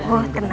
oh tenang ya